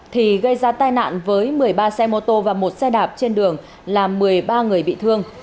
thì gây ra tai nạn với một mươi ba xe mô tô và một xe đạp trên đường làm một mươi ba người bị thương